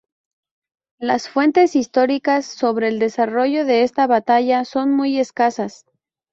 Las fuentes históricas sobre el desarrollo de esta batalla son muy escasas.